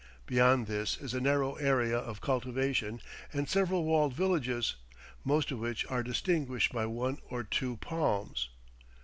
Beyond this is a narrow area of cultivation and several walled villages, most of which are distinguished by one or two palms.